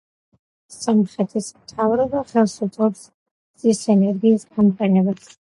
სომხეთის მთავრობა ხელს უწყობს მზის ენერგიის გამოყენებას.